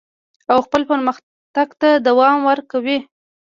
او خپل پرمختګ ته دوام ورکوي.